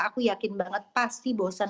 aku yakin banget pasti bosan